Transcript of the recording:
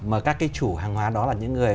mà các cái chủ hàng hóa đó là những người